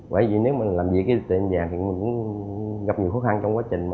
vậy thì nếu mà làm việc với tiệm vàng thì cũng gặp nhiều khó khăn trong quá trình